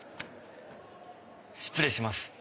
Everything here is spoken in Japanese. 失礼します。